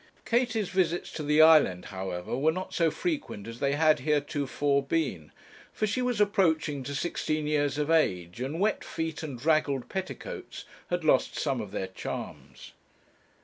Katie's visits to the island, however, were not so frequent as they had heretofore been, for she was approaching to sixteen years of age, and wet feet and draggled petticoats had lost some of their charms.